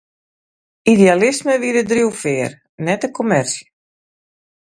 Idealisme wie de driuwfear, net de kommersje.